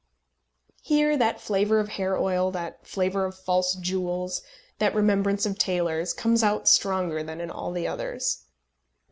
Here that flavour of hair oil, that flavour of false jewels, that remembrance of tailors, comes out stronger than in all the others.